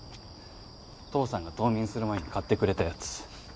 父さんが冬眠する前に買ってくれたやつ。